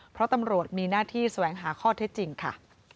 เพราะตำรวจมีหน้าที่แสวงหาข้อเท็จจริงค่ะ